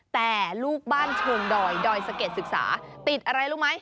แต่ลูกบ้านเชิงดอยดอยสะเก็ดศึกษาติดอะไรรู้ไหม